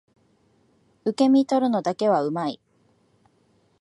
受け身取るのだけは上手い